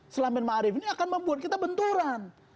selam ben ma'arif ini akan membuat kita benturan